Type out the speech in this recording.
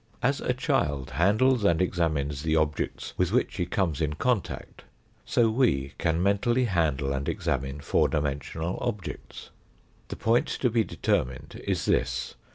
As a child handles and examines the objects with which he comes in contact, so we can mentally handle and examine four dimensional objects. The point to be determined is this.